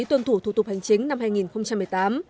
tuân thủ thủ tục hành chính năm hai nghìn một mươi tám